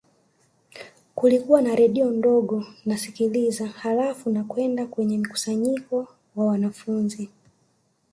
Kulikuwa na redio ndogo nasikiliza halafu nakwenda kwenye mkusanyiko wa wanafunzi